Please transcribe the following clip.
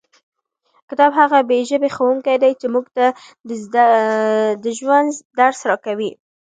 کتاب هغه بې ژبې ښوونکی دی چې موږ ته د ژوند درس راکوي.